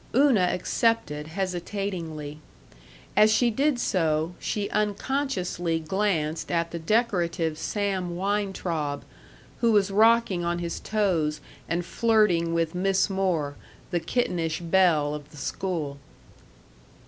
Una accepted hesitatingly. As she did so, she unconsciously glanced at the decorative Sam Weintraub, who was rocking on his toes and flirting with Miss Moore, the kittenish belle of the school.